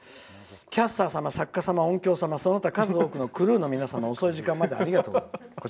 「キャスター様、音響様、作家様その他、数多くのクルーの皆様遅い時間までありがとう。